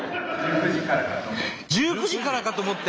１９時からかと思って。